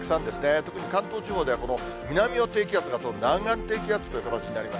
特に関東では、この南の低気圧が通ると南岸低気圧という形になります。